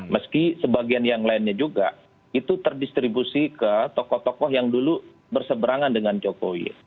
meski sebagian yang lainnya juga itu terdistribusi ke tokoh tokoh yang dulu berseberangan dengan jokowi